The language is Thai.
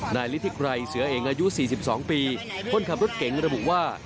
นายฤทธิไกรเสือเองอายุ๔๒ปีคนขับรถเก๋งระบุว่า